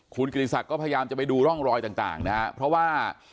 คุณกิติศักดิ์ก็พยายามจะไปดูร่องรอยต่างนะครับเพราะว่า